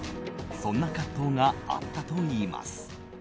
そんな葛藤があったといいます。